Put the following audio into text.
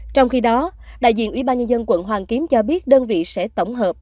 trong khi đó đại diện ubnd quận hoàn kiếm cho biết đơn vị sẽ tổng hợp